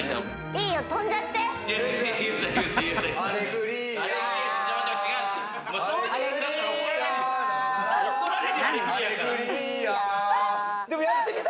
いいよ、とんじゃって。